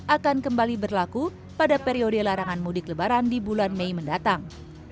akan kembali berlaku pada periode larangan mudik lebaran di bulan mei mendatang